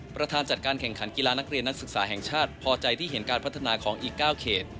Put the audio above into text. ประธานจัดการแข่งขันกีฬานักเรียนนักศึกษาแห่งชาติพอใจที่เห็นการพัฒนาของอีก๙เขต